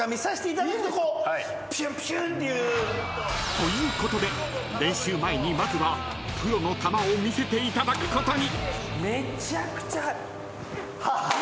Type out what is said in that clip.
［ということで練習前にまずはプロの球を見せていただくことに］